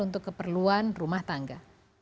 untuk keperluan rumah tangga